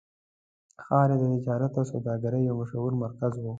ښار یې د تجارت او سوداګرۍ یو مشهور مرکز و.